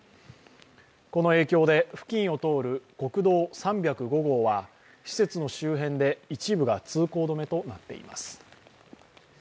この影響で付近を通る国道３０５号は施設の周辺で一部が通行止めとなっています。